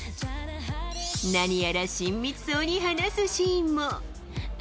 何やら親密そうに話すシーンも。